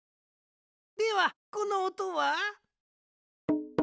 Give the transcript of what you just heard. ではこのおとは？